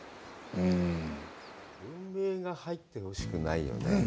人間が入ってほしくないよね。